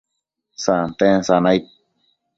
santen sanaid